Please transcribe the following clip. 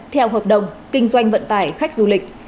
theo hợp đồng kinh doanh vận tải khách du lịch